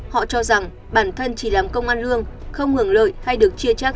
họ cho rằng bản thân chỉ làm công an lương không hưởng lợi hay được chia trác